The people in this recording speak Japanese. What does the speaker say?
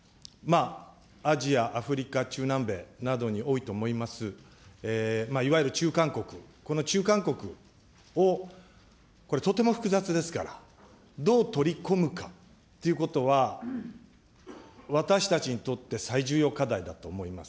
アジア、アフリカ、中南米などに多いと思います、いわゆる中間国、この中間国を、これ、とても複雑ですから、どう取り込むかということは、私たちにとって最重要課題だと思います。